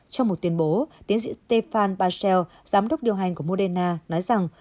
trong một tuyên bố tiến sĩ stefan bachel giám đốc điều hành của moderna nói rằng